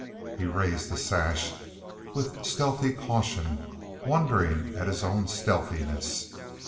He raised the sash with stealthy caution, wondering at his own stealthiness.